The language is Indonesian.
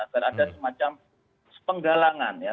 agar ada semacam penggalangan ya